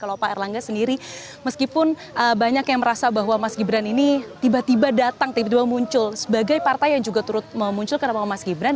kalau pak erlangga sendiri meskipun banyak yang merasa bahwa mas gibran ini tiba tiba datang tiba tiba muncul sebagai partai yang juga turut memunculkan nama mas gibran